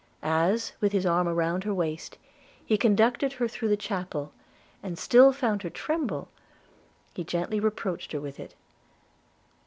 As, with his arm round her waist, he conducted her through the chapel, and still found her tremble, he gently reproached her with it.